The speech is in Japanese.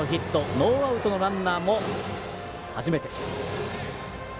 ノーアウトのランナーも初めて。